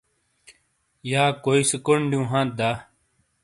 یا کوئی کونڈ دِیوں ہانت دا؟